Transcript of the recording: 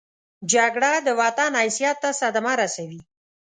جګړه د وطن حیثیت ته صدمه رسوي